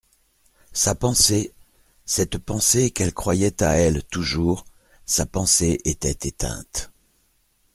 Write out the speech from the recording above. Sa pensée, cette pensée qu'elle croyait à elle toujours, sa pensée était éteinte.